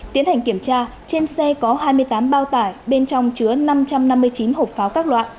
tiến hành kiểm tra trên xe có hai mươi tám bao tải bên trong chứa năm trăm năm mươi chín hồn